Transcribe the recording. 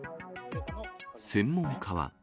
専門家は。